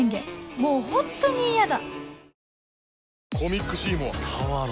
もうホントに嫌だ！